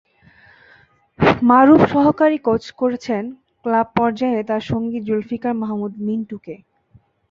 মারুফ সহকারী কোচ করেছেন ক্লাব পর্যায়ে তাঁর সঙ্গী জুলফিকার মাহমুদ মিন্টুকে।